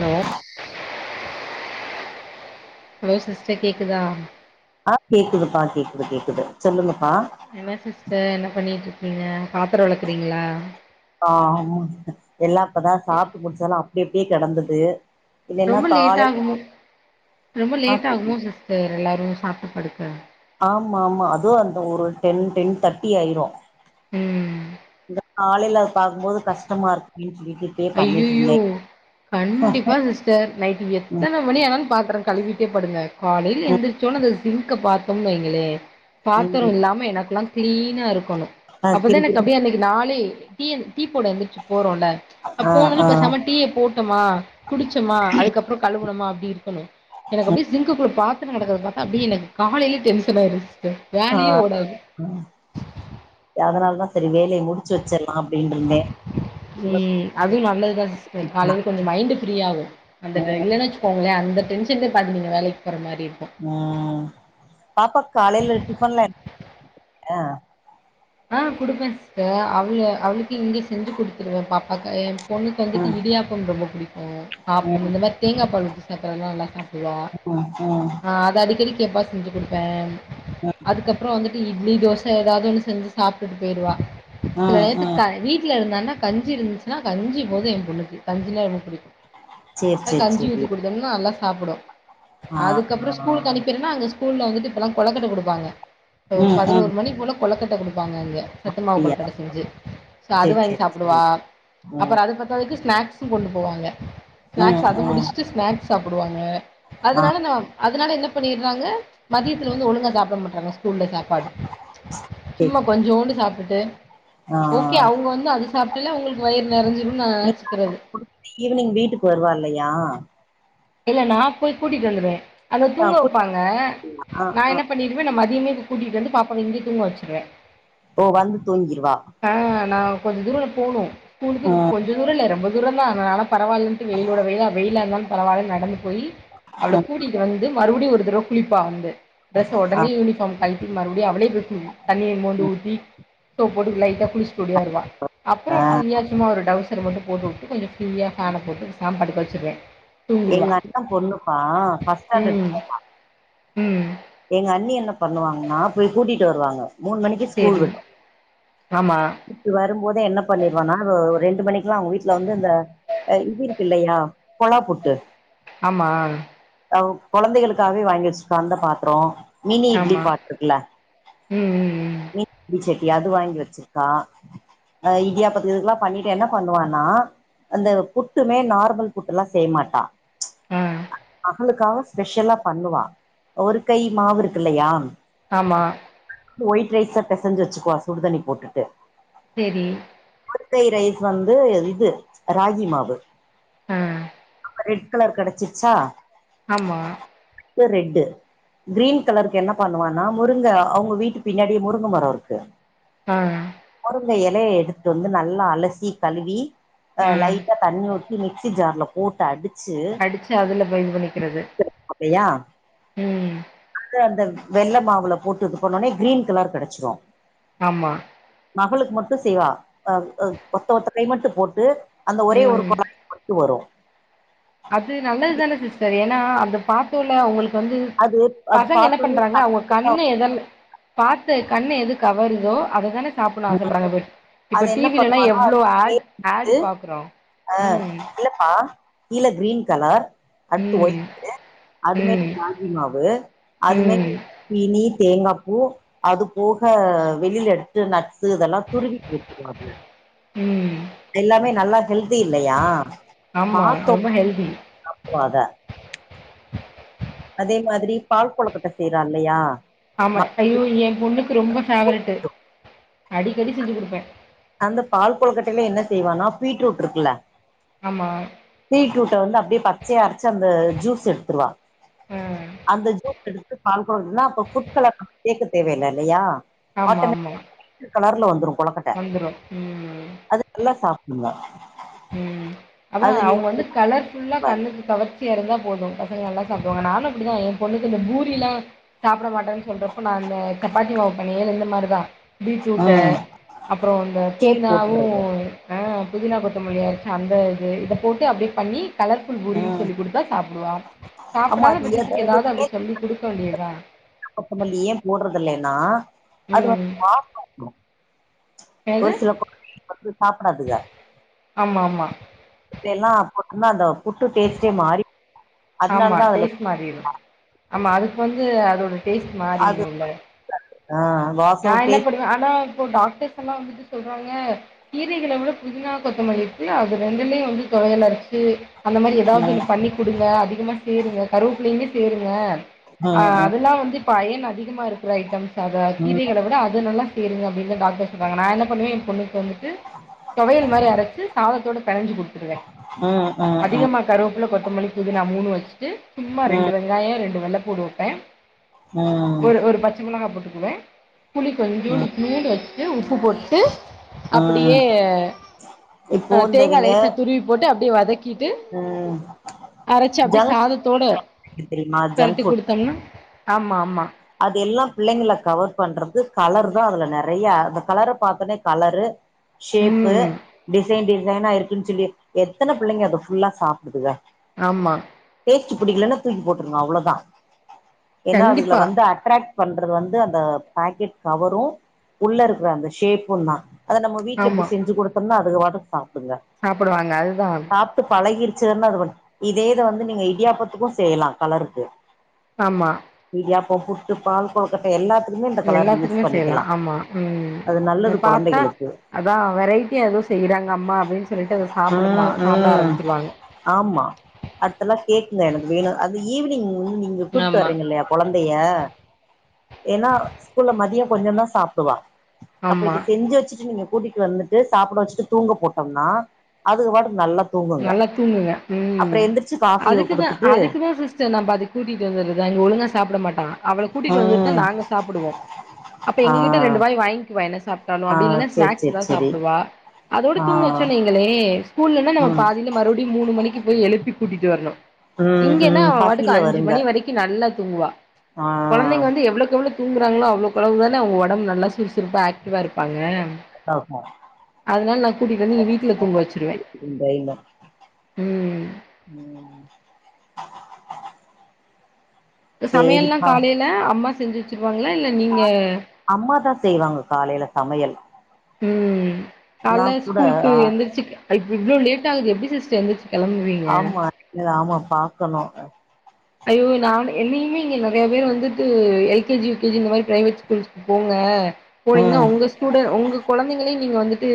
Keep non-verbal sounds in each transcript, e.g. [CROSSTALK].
Hello hello sister கேக்குதா ஆ கேக்குதுப்பா கேக்குது கேக்குது சொல்லுங்கப்பா என்ன சிஸ்டர் என்ன பண்ணீட்ருக்கீங்க பாத்ரோ வெலக்குறீங்ளா ஆமா சிஸ்டர் எல்லா இப்பதா சாப்ட்டு முடிச்சாலு அப்டிப்டியே கெடந்தது இல்லனா ரொம்ப லேட் காலைல எழு ஆகுமோ ரொம்ப லேட் ஆகுமோ சிஸ்டர் எல்லாரு சாப்ட்டு படுக்க ஆமா ஆமா அதுவு அந்த ஒரு டென் டென் தட்டி ஆயிரு ம் காலைல அத பாக்கும்போது கஷ்டமா இருக்கு யூ சொல்லிட்டு இப்பயே பண்ணிட்டு ஐய்யயோ இருந்தே கண்டிப்பா சிஸ் டர் நைட்டு ம் எத்தன மணி ஆனாலு பாத்தர கழுவிட்டே படுங்க காலையில எந்திரிச்சோன அந்த ஜிங்க பாத் தொம் வைங்களே ம் பாத்ரோ ம் இல்லாம எனக்கெல்லா கிளீனா இருக்கணு ஆ அப்பதா எனக்கு கிறுகிறுன்னு அப்டியே அன்னைக்கு நாளே டீயன் டீ போட எந்திரிச்சி போறோல்ல ஆ அப்போனலு ஆ பேசாம டீய போட் டமா குடிச்சமா அதுக்கப்புற கழுவுணமா அப்டி இருக் கனு எனக்கப்டியே ஜிங்கு குள்ள பாத்தர கடக்கறத பாத்தா அப்டியே எனக்கு காலையிலே டென்ஷன் ஆயிரு சிஸ்டர் ஆ வேலையே ஓடாது. அதனால தா சரி வேலைய முடிச்சி வச்சற்லா அப்டின்டிருந்தே ம் அது நல்லதுதா சிஸ்டர் காலையில கொஞ்சோ மைண்டு ஃப்ரீயாகு அந்தட்ற ம் இல்லனா வச்சு கோங்ளே அந்த டென்ஷன்ல பாதி நீங்க வேலைக்கு போற மாரி இருக்கு ஆ பாப்பாக் காலைல டிஃபன்ல அ ஆ குடுப்பே சிஸ்டர் அவள அவளுக்கு இங்க செஞ்சி குடுத் துருவ பாப்பாக்கு என் பொண்ணுக்கு வந்துட்டு ம் இடியாப்பம் ரொம்ப புடிக்கு ஆப்பம் ம் இந்த மாரி தேங்காபால் உத்தி சாப்பிறனால்லா சாப்பிடுவா ம் ம் ஆ அத அக்கடி கேப்பா செஞ்சி குடுப்பே ம் அதுக்கப்றோ வந்துட்டு இட்லி தோசை ஏதாவது ஒன்னு செஞ்சி சாப்டுட்டு போயிடுவா சில ம் ம் நேரத்துக்க வீட் ல இருந்தான்னா கஞ்சி இருந்துச்சின்னா கஞ்சி போது என் பொண்ணுக்கு கஞ்சின்னா ரொம்ப புடிக்கு சேர் அதுக்கு சேர் கஞ்சி சேரி ஊத்தி குடுத்தோம்ன்னா நல்லா சாப்பிடு ஆ ஆ அதுக்கப்றோ ஸ்கூலுக்கு அனுப்பிறேன்னா அங்க ஸ்கூ ஸ்கூல்ல வந்துட்டு இப்பல்லா கொலக்கட்டை குடுப்பாங்க ம் ஒரு ம் பதினோரு மணிக்குல்ல கொலக்கட்டை குடுப்பாங்க அங்கே சத்துமாவு அப்டியா கொலக்கட்டை செஞ்சி ச அது சேர் வாங்கி சேர் சேரி சாப்பிடுவா அப்புற ம் அத பத் இப்போதுக்கு ஸ்நாக்ஸ்ஸு கொண்டு போவாங்க ம் ஸ்நாக்ஸ் அது ம் முடிச்சிட்டு ஸ்நாக்ஸ் சாப்பிடுவாங்க ஆ அதுனால நா அதுனால என்ன பண்ணீறாங்க மதியத்துல வந்து ஒழுங்கா சாப்பிட மாட்றாங்க ஸ்கூல்ல சாப்பாடு சேர் சும்மா கொஞ்சோண்டு சாப்புட்டே ஆ ஓகே அவுங்க வந்து அது சாப்பிட்ல உங்களுக்கு வயிறு நெறஞ்சிரு நீங்க னாச்சிக்கிறது குடுத்துட்டு ஈவினிங் வீட்டுக்கு வருவா இல்லையா இல்ல நா போய் கூட்டிட்டு வந்துடுவே அத ஆ தூங்க கூட்டிட்டு வப்பாங்க ஆ நா என்ன பண்ணிடுவே நா மதியமே இப்ப கூட்டிட்டு வந்து பாப்பாவ இங்க தூங்க வச்சிருவே ஓ வந்து தூங்கிருவா ஆ நா கொஞ்ச தூரோ போணு ஸ்கூலுக்கு இதுக்கு ம் கொஞ்சதூர இல்ல ரொம்ப தூரந்தா நா நடப் பரவால்லன்டு வெயிலோட வெயிலா வெயிலா இருந்தாலு பரவால்லனு நடந்து போயி அவள ம் கூட்டிட்டு வந்து மறுபடியு ஒரு தடவ குளிப்பா வந்து டிரெஸ்ஸ உடனே யூனிஃபார்ம் கழிட்டி மறுபடியு அவளே [UNINTELLIGIBLE] தண்ணிய மோந்து ம் ஊத்தி சோப் போட்டு லைட்ட குளிச்சிட்டு ஓடியாருவா அப்றோ ஃப்ரீயா சும்மா ஒரு டவுஸ் சர மட்டு போட்டுவுட்டு கொஞ்சோ ஃப்ரீயா ஃபேன போட்டு பேசாம படுக்க வச்சுடுவே எங்க அண்ணே பொண்ணுப்பா ஃபஸ்ட் ஸ்டாண்டர்ட் ம் ம் எங்க அண்ணி என்ன பண்ணுவாங்ன்னா போய் கூட்டிட்டு வருவாங்க மூணு மணிக் சேரி ஆமா இப்டி வரும்போதே என்ன பண்ணிருவானா வ ஒரு ரெண்டு மணிக்கெல்லா அவங்க வீட்ல வந்து இந்த ஆ இது இருக்கு இல்லையா கொழா புட்டு ஆமா அவ கொழந்தைகளுக்காகவே வாங்கி வச்சிருப்பா அந்த பாத்ரோ மினி இட்லி ஆமா பாத்ருக்கல ம் ம் ம் மினி இட்லி சட்டி அது வாங்கி வச்சிரு அ இடியாப்பத்துகெல்லா பண்ணிட்டு என்ன பண்ணுவான்ன அந்த புட்டுமே நார்மல் புட்டுல்லா செய்யமாட்டா ஆ அவளுக்காக ஸ்பெஷலா பண்ணுவா ஒரு கை மாவு இருக்கு இல்லியா ஆமா ஒயிட் ரைஸா பெசைஞ்சு வச்சுக்கவா சுடுதண்ணி போட்டுட்டு சேரி குற்கை ரைஸ் வந்து இது ராகி மாவு ஆ ரெட் கலர் கிடைச்சிச்சா ஆமா இப்ப ரெட்டு கிரீன் கலருக்கு என்ன பண்ணுவன முருங்க அவுங்க வீட்டு பின்னாடி முருங்க மரோ இருக்கு அ முருங்க எலைய எடுத்து வந்து நல்ல அலசி கழுவி அ ம். லைட்டா தண்ணி ஊத்தி மிக்சி ஜார்ல போட்டு அடி அடிச்சு அதுல பேய் இது பண்ணிக்கிறது அப்டியா ம். இப்ப அந்த வெள்ள மாவுல போட்டு இது பண்ணவுனே க்ரீன் கலர் கெடைச்சிரு ஆமா மகளுக்கு மட்டு செய்வா அ அ ஒத்த ஒத்த கை மட்டு போட்டு அந்த ஒரே ஒரு ம். குழ மட்டு வரு அது நல்லதுதானே சிஸ்டர் ஏன்னா அந்த பாத்தோல அவுங்களுக் கு வந்து அது அது பசங்க என்ன பாத்தோனே பண்றாங்க அவுங்க கண்ணு எத பாத்து கண்ணு எது கவருதோ அதுதான சாப்புனு ஆசைப்படுறாங்கபோய் இப்ப அது என்ன டீவிலல்லா பண்ணுவானா எவ்ளோ ஆட் ஆடூ பாக்குறோ அ ம். இல்லப்பா கீழ க்ரீன் கலர் அடுத்து ம். ஒய்ட்டு அது மேரி ம். ராகிமாவு அது மேல ம். ஜீனி தேங்காப்பூ அது போக வெளியில எடுத்து நட்ஸ் இதெல்லாம் துருவி போட்ருவாங்க ம் எல்லாமே நல்லா ஹெல்தி இல்லையா ஆமா பாத்தோ ரொம்ப ஹெல்தி. சாப்புடுவாங்க அதே மாதிரி பால் கொழுக்கட்ட செய்றா இல்லையா ஆமா ம- ஐயோ எ பொண்ணுக்கு ரொம்ப ஃபேவரட்டு் அடிக்கடி செஞ்சு குடுப்பே அந்த பால் கொழக்கட்டையில என்ன செய்வான பீட்ரூட் இருக்குல்ல ஆமா பீட்ரூட்ட வந்து அப்டியே பச்சைய அரச்சி அந்த ஜூஸ் எடுத்துருவா அ. அந்த ஜூஸ் எடுத்து பால் கொழுக்கட்டன்னா அப்ப புட்கலர் சேக்க தேவ இல்ல இல்லையா ஆமா ஆமா ரெட் கலர்ல வந்துடு கொழக்கட்ட வந்துரும். ம் அது நல்ல சாப்டுங்க ம் அதா அது நீ அவுங்க யோசிச்சு வந்து கலர் க்ஷஃபுல்லா பாரு கண்ணுக் கவர்ச்சியா இருந்தா போது பசங்க நல்லா சாப்டுவாங்க நானு அப்டிதா எ பொண்ணுக்கு இந்த பூரில்லா சாப்ட மாட்டன்னு சொல்றப்ப நா அந்த சப்பாத்தி மாவு பேணையில இந்த மாதிரிதா பீட்ரூட ம் அப்றோ இந்த கேக் புதினாவு போட்டுறது அ புதினா கொத் தமல்லி அரச்சிஅந்த இது இத போட்டு அப்டியே பண்ணி கலர்ஃபுல் பூரின்னு ம் சொல்லி குடுத்தா சாப்டுவா ஆமா சாப்டாத அது ஏ பட்சத்துக்கு ஏதாவது அப்டி சொல்லி குடுக்க வேண்டியத புதினா கொத்தமல்லி ஏ போட்றது இல்லன்னா அது ஒரு ம். வாசோ குடுக்கு ஒரு என்னது? சில கொழந்தைங்கள் வந்து சாப்டாதுக ஆமா ஆமா இப்ப எல்லா புட்டுனா அந்த புட்டு டேஸ்ட்டே மாறி ஆமா அதனாலதா அதுல டேஸ்ட் மாறிரு ஆமா அதுக்வந்து அதோட டேஸ்ட் அது மாறிருல ஆ வாசோ டேஸ்ட் ஆனா இப்போ டாக்டர்ஸ் எல்லா வந்துட்டு சொல்றாங்க கீரைகள விட புதினா கொத்தமல்லி இருக்குல்ல அது ரெண்டுலயு வந்து தொவயல் அரச்சு அந்த மாரி ஏதாவது ம் எனக்கு பண்ணி் குடுங்க அதிகமா சேருங்க கருவேப்பிள்ளையுமே சேருங்க ஆ ம் ம் அதெல்லா வந்து இப்ப அயன் அதிகமா இருக்கிற ஐட்டம்ஸ் அத ம் கீரைகள விட அது நல்லா சேருங்க அப்டின்னு தா டாக்டர் சொல்றாங்க நா என்ன பண்ணுவ எ பொண்ணுக்கு வந்துட்டு தொவையல் மாரி அரச்சு சாதத்தோட பெனஞ்சு குடு த்துருவ ம் ம் ம் அதிகமா கருவேப்ல கொத்தமல்லி புதினா மூணு வச்சுட்டு சும்மா ரெண்டு வய் வெங்காயோ ரெண்டு வெள்ள பூடு வெப்பே ம் ம் ஒரு ஒரு பச்ச மொளகா போட்டுக்குவ புளி கொஞ்சோண்டு ம் இத்னூண்ட்டு வச்சுட்டு உப்பு போட்டு ம் அப்டியே இப்போ அ இந்த தேங்கா இவிங்க லேசா துருவி போட்டு அப்டியே வதக்கி கிட்டு ம் அரச்சு அப்டியே ஜங்க் சாதத்தோட ஃபுட் தெரியுமா ஜங்க் பெரட்டி ஃபுட் குடுத் கனி ஆமா ஆமா அது எல்லா பிள்ளைங்கள கவர் பண்றது கலர் தா அதுல நெறைய அந்த கலர பார்த்தோனே கலரு ஷேப்பு ம் டிசைன் டிசைனா இருக்குன் சொல்லி எத்தன பிள்ளைங்க அத ஃபுல்லா சாப்டுதுக ஆமா டேஸ்ட்டு பிடிக்கலன்னா தூக்கி போட்டுருங்க அவ்ளோதா ஏன்னா அதுல கண்டிப்பா வந் அட்ரக்ட் பண்றது வந்து அந்த பாக்கெட் கவரு உள்ள இருக்கிற அந்த ஷேப்புந் தா அத நம்ம வீட்ல இப்டி ஆமாம் செஞ்சு குடுத்தம்னா அதுக பாட்டுக் சாப்டுங்க சாப்பிடுவாங்க அதுதா சாப்ட்டு பழகிருச்சுங்கன்னா அது இதே இத வந்து நீங்க இடியாப்பத்துக்கு செய்லா கலருக்கு ஆமா இடியாப்போ புட்டு பால் கொழக்கட்ட எல்லாத்துக்குமே இந்த கலர் யூஸ் எல்லாத்துக்குமே பண்ணிக்கலா செய்யலாம் ஆமாம் அது நல்லது கொழந்தைகளுக்கு அதா வெரைட்டியா எதோ செய்றாங்க அம்மா அப்டின் சொல்லிட்டு அத சாப்பிடுமா சாப்ட ஆரம்பிச்சுடுவாங்க ஆம்மா அடுத்தெல்லா கேக்குங்க எனக்கு வேணு அது ஈவ்னிங் வந்து நீங்க கூட்டு ஆமாம் வர்றீங்க இல்லையா ளைய ஏன்னா ஸ்கூல்ல மதியோ கொஞ்சோ தா சாப்டுவா அப்ப இத ஆமாம் செஞ்சு வச்சுட்டு நீங்க கூட்டிட்டு வந்துட்டு சாப்பிட வச்சுட்டு தூங்க போட்டம்னா அதுங்க வாட்டுக்கு நல்லா தூங்குங்க நல்லா தூங்குங்க அப்றோ ம் எந்திரிச்சு காஃபிய அதுக்குதா குடுத்துட்டு அதுக்குதா சிஸ்டர் நா பாதி கூட்டிட்டு வந்துர்ரது அங்க ஒழுங்கா சாப்ட மாட்டா அவள கூட்டிட்டு வந்துட்டு தா ம் நாங்க சாப்பிடுவோ அப்ப ஆ எங்க கிட்ட ரெண்டு வாய் வாங்கிக்குவா என்ன சாப் ட்டாலு ஆ அப்டி இல்லனா சேரி ஸ்நக்ஸ் சேரி எதாது சேரி சாப்டுவா அதோடு ஆ தூங்க வச்சா நீங் கலே ஸ்கூல்லன்னா நம்ம ம் பாதில மறுபடியு மூணு மணிக்கு போய் எழுப்பி கூட்டிட்டு வர்ணு ம் இங்கன்னா ம் அவ வாட்டுக்கு பசில அஞ்சு வருங்க மணி வரைக்கு நல்லா தூங்குவா ஆ கொழந்தைங்க வந்து எவ்ளக்கெவ்ளோ தூங்குறாங்களோ அவ்ளோக்களவு தான அவுங்க உடம்பு நல்லா சுறுசுறுப்பாக ஆக் டிவா இருப்பாங்க அதனால நா கூட்டிட்டு வந்து இங்க வீட்டுல தூங்க வச்சிருவ ட்ரெய்யின் தா ம் [INAUDIBLE] சமையல்லா சேரிப்பா காலைல அம்மா செஞ்சு வச்சிருவாங்களா இல்ல நீங்க அம்மா தா செய்வாங்க காலைல சமையல் ம் நா கால்ல கூட ஸ்கூலுக்கு எந்திருச்சு இ இவ்ளோ லேட் ஆகுது எப்டி சிஸ்டர் எந்திருச்சு கெளம்பு ஆமா ஆமா பாக்கணு ஐயோ நானு என்னயுமே இங்க நறைய பேர் வந்துட்டு L K G U K G இந்த மாரி பிரைவேட் ஸ்கூல்ஸ் போங்க போனீங்கன்னா ம் உங்க ஸ்டூடெ ஒங்க கொழந்தைங்கள நீங்க வந்துட்டு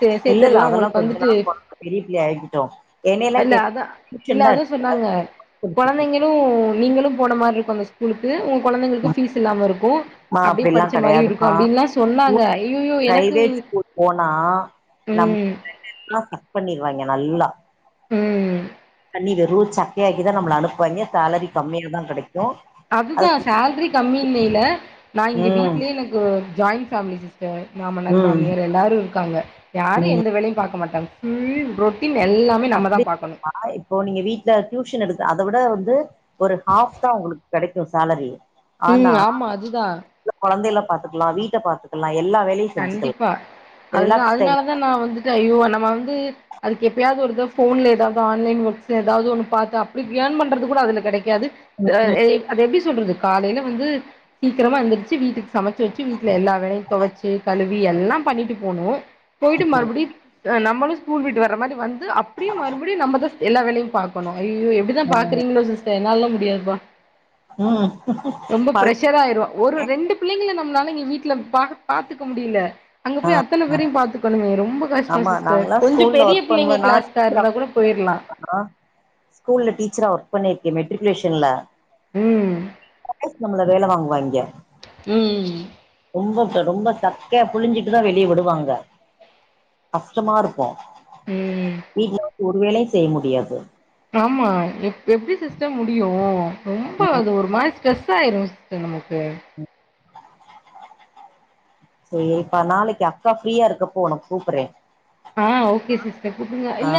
சே இல்ல இல்ல சே்த்தர்லா அதெல்லா உங்களுக்கு கொஞ்ச வந்துட்டு நாள் பொறந்து பெரிய பிள்ளை ஆகிட்டோ என்னையெல்லா இல்ல அதா கேட்டீங்கன்னா இல்ல டியூஷன் தா அது சொன்னாங்க எடுத்து கொழந்தைங்களு நீங்களு போன மாரி இருக்கோ அந்த ஸ்கூலுக்கு ஒங்க கொழந்தைங்களுக்கு ஃபீஸ் இல்லாம இருக்கோ மா அப்டியே அப்டிலா படிச்ச மாரி இருக்கோ கெடையாதுப்பா அப்டின்னுல்லா சொன்னாங்க ஐய்யய்யோ எனக்கு பிரைவேட் ஸ்கூல் போனா ம் எல்லா கட் பண்ணிருவாய்ங்க நல்லா ம் பண்ணி வெறு சக்கையாக்கிதா நம்மள அனுப்புவாங்கே சேலரி கம்மியாதா கெடைக்கு அதுதா அதுக்கு சேலரி கம்மிங்கையில நா இங்க ம் வீட்லயே எனக்கு ஜாயின் ஃபேம்லி சிஸ்டர் மாமனார் ம் மாமியார் எல்லாரு இருக்காங்க யாரு ம் எந்த வேலையு பாக்க மாட்டாங்க ம் ரொட்டீன் எல்லாமே நம்ம தா அப்டின் பாக்கணு பாத்தா இப்போ நீங்க வீட்டுல டியூஷன் எடுக்கு அத விட வந்து ஒரு ஹாஃப்தா ஒங்களுக்கு கெடைக்கு சேலரி ம் ஆமா அதுதா கொழந்தைல பாத்துக்கலா வீட்ட பாத்துக்கலா எல்லா வே கண்டிப்பா அதுதா அதனாலதா நா வந்து ஐயோ நம்ம வந்து அதுக்கு எப்பயாவது ஒரு தடவ ஃபோன்ல ஏதாது ஆன்லைன் ஒர்க்ஸ் ஏதாவது ஒண்ணு பாத்து அப்டி இயன் பண்றது கூட அதுல கெடைக்காது எ ஏ அது எப்டி சொல்றது காலைல வந்து சீக்கிரமா எந்திரிச்சி வீட்டுக்கு சமைச்சு வெச்சு வீட்டுல எல்லா வேலையு தொவச்சி ட்டு கழுவி எல்லா பண்ணிட்டு போனு போயிட்டு மறுபடியு அ நம்மளு ஸ்கூல் விட்டு வர மாரி வந் து அப்டியு மறுபடியு நம்மதா சிஸ் எல்லா வேலையு பாக்கணு ஐய்யயோ எப்டிதா பாக்குறீங்களோ சிஸ் என்னால்லா முடியாதுப்பா ம் ரொம்ப பழகி பிரஷர் ஆயிரோ ஒரு ரெண்டு பிள்ளைங்கள நம்மளால இங்க வீட்ல பாக் பாத்துக்க முடில அங்க ஆ போய் அத்தன பேரையு பாத்துக் கணுமே ரொம்ப கஷ்டோ ஆமா சிஸ்டர் நாங்கல்லா கொஞ்ச ஸ்கூல்ல பெரிய பிள்ளைங்க கிளாஸா இருந்தா கூட போயிர்லா ஆ ஸ்கூல்ல டீச்சரா ஒர்க் பண்ணியிருக்கே மெட்ரிகுலேஷன்ல ம் [UNINTELLIGIBLE] நம்மள வேல வாங்குவாய்ங்க ம் ம் ரொம்ப ரொம்ப சக்கையா புழிஞ்சுட்டுதா வெளியே விடுவாங்க கஷ்டமா இருக்கு ம் வீட்ல வந்து ஒரு வேலையு செய்ய முடியாது ஆமா எப் எப்படி சிஸ்டர் முடியு ரொம்ப அது ஒரு மாரி ஸ்ட்ரெஸ்ஸாயிரு சிஸ்டர் நமக்கு ம் சேரிப்பா நாளைக்கு அக்கா ஃப்ரீயா இருக்கப்ப ஒன்னுக்கு கூப்பறே ஆ ஓகே சிஸ்டர் கூப்டுங்க ஆ இல்ல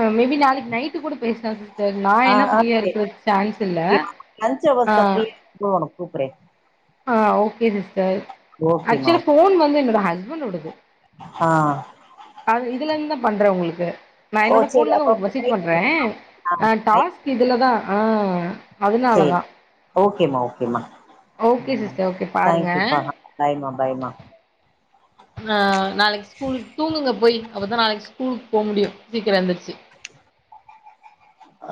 அ மேபி நாளைக்கு நைட்டு கூட பேஸ்லா சிஸ் டர் நா ஆ ஏனா ஆ ஃப்ரீயா இருக்குறக்கு சான்ஸ் இல்ல அ போ ஒனக் கூப்புறே ஆ ஓகே சிஸ்டர் ஓகேமா ஆக்சுவலா ஓகே போன் வந்து என்னோட ஹஸ்பண்டோடது ஆ அது இதுல இருந்தா பண்றே உங்களுக்கு நா ஓ என்னோட போன்ல சேரி இருந்து உங்களுக்கு அப்ப மெசேஜ் நைட் பண்றே ஆ அ நைட் டாஸ்க் இதுலதா ஆ சேரி அதுனாலதா ஓகேமா ஓகேமா ஓகே ம் சிஸ்டர் ஓகே பாருங்க தேங்கயூபா பாய்மா பாய்மா ஆ நாளைக்கு ஸ்கூலுக்கு தூங்குங்க போய் அப்பதா நாளைக்கு ஸ்கூலுக்கு போமுடியு சீக்கிர எந்துரிச்சி ஆ